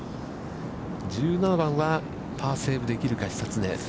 １７番はパーセーブできるか、久常。